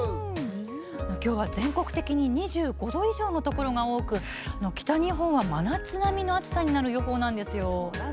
きょうは全国的に２５度以上のところが多く北日本は真夏並みの暑さになる予報なんですよ。